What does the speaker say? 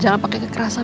jangan pernah memaksa